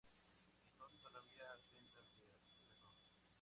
Entonces sólo había sendas de acceso.